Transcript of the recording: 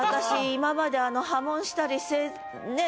今まで破門したりねえ